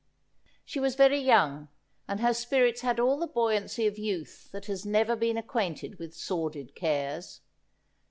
She was very young, and her spirits had all the buoyancy of youth that has never been acquainted with sordid cares.